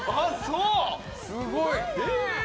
すごい。